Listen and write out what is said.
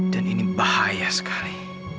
dan ini bahaya sekali